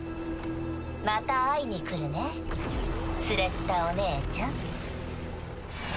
また会いに来るねスレッタお姉ちゃん。